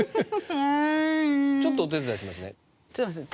ちょっとお手伝いしますね。